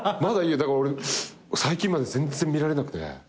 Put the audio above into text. だから俺最近まで全然見られなくて。